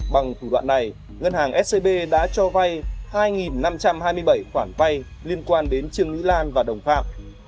bằng thủ đoạn này ngân hàng scb đã cho vay hai năm trăm hai mươi bảy khoản vay liên quan đến trương mỹ lan và đồng phạm